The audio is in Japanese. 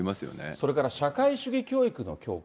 それから社会主義教育の強化。